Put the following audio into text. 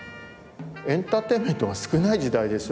エンターテインメントが少ない時代でしょう。